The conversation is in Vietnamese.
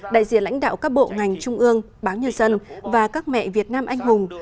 đại diện lãnh đạo các bộ ngành trung ương báo nhân dân và các mẹ việt nam anh hùng